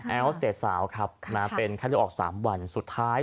อังกษ์สเตศสาวเป็นไข้เลือดออก๓วันสุดท้าย